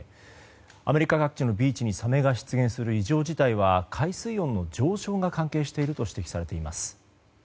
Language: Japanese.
アメリカ各地のビーチにサメが出現する異常事態は海水温の上昇が関係していると指摘されています。